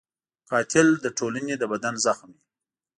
قاتل د ټولنې د بدن زخم وي